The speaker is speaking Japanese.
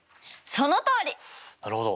なるほど。